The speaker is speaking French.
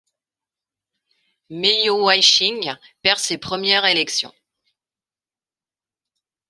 Mais Yau Wai-ching perd ses premières élections.